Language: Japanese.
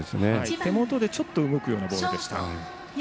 手元でちょっと動くようなボールでした。